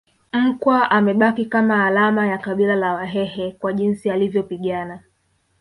Mkwa amebaki kama alama ya kabila la Wahehe kwa jinsi alivyopigana